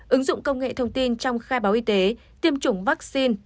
ứng dụng công nghệ thông tin trong khai báo y tế tiêm chủng vaccine